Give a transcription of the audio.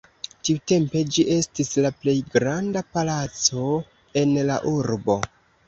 Tiutempe ĝi estis la plej granda palaco en la urbo.